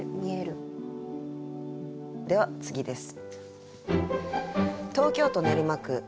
では次です。